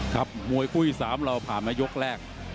ครับมวยคุย๓เราผ่านมายกแรก